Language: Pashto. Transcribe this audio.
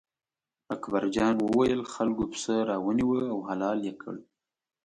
اکبر جان وویل: خلکو پسه را ونیوه او حلال یې کړ.